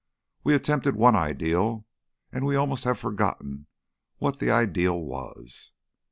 We attempted one ideal, and we almost have forgotten what the ideal was.